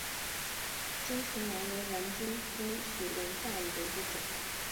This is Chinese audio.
巾唇兰为兰科巾唇兰属下的一个种。